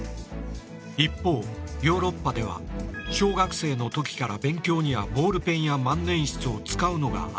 一方ヨーロッパでは小学生の時から勉強にはボールペンや万年筆を使うのが当たり前。